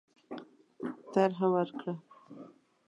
طرح ورکړه.